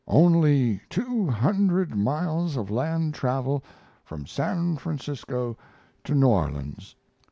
"Only two hundred miles of land travel from San Francisco to New Orleans."